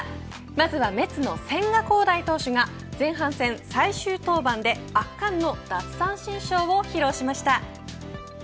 まずはメッツの千賀滉大投手が前半戦最終登板で、圧巻の奪三振ショーを披露しました。